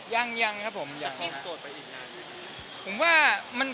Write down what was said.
ยังครับผมยัง